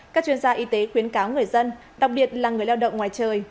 các chuyên gia y tế khuyến cáo người dân đặc biệt là người lao động ngoài trời